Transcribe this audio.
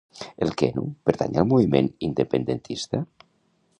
El Keanu pertany al moviment independentista?